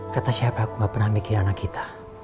kata siapa aku gak pernah mikir anak kita